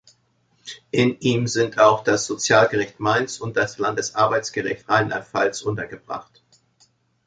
In ihm sind auch das Sozialgericht Mainz und das Landesarbeitsgericht Rheinland-Pfalz untergebracht.